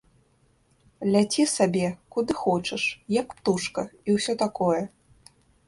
Ляці сабе, куды хочаш, як птушка, і ўсё такое.